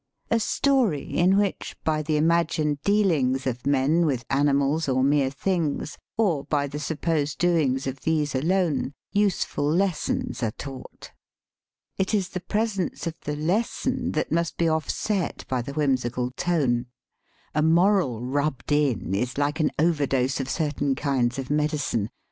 "A story in which, by the imagined dealings of men with animals or mere things, or by the supposed doings of these alone, useful lessons are taught." It is the presence of the lesson that must be offset by the whim sical tone. A moral "rubbed in" is like an overdose of certain kinds of medicine.